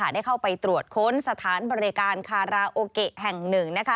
ได้เข้าไปตรวจค้นสถานบริการคาราโอเกะแห่งหนึ่ง